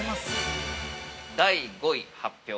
◆第５位発表！